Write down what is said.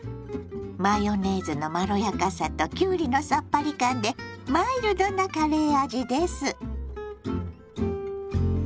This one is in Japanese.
⁉マヨネーズのまろやかさときゅうりのさっぱり感でマイルドなカレー味です。